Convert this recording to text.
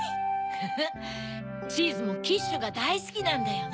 フフっチーズもキッシュがだいスキなんだよね。